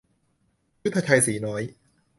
ยุทธชัย สีน้อย